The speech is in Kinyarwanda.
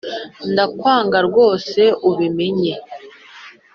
ndakwanga rwose ubimenye